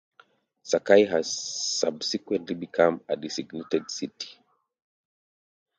Sakai has subsequently become a designated city.